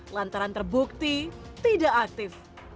lantaran terbukti tidak aktif